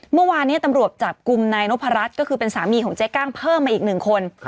เมื่อวานนี้ตำรวจจับกลุ่มนายนพรัชก็คือเป็นสามีของเจ๊กั้งเพิ่มมาอีกหนึ่งคน